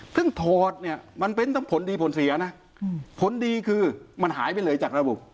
ซึ่งถอดเนี่ยมันเป็นทั้งผลดีผลเสียนะผลดีคือมันหายไปเลยจากระบบ